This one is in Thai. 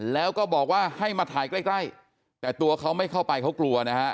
แล้วก็บอกว่าให้มาถ่ายใกล้ใกล้แต่ตัวเขาไม่เข้าไปเขากลัวนะฮะ